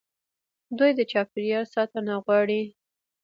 دوی د چاپیریال ساتنه غواړي.